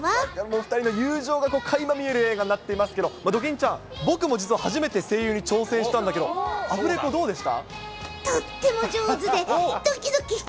２人の友情がかいま見える映画になってますけど、ドキンちゃん、僕も実は初めて声優に挑戦したんだけど、アフレコ、どうでした？